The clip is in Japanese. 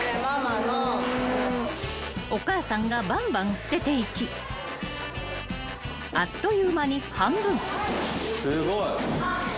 ［お母さんがばんばん捨てていきあっという間に半分］